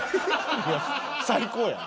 いや最高やん！